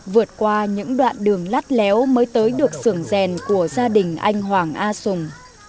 vượt qua những đoạn đường lát léo mới tới được sưởng rèn của gia đình anh hoàng a sùng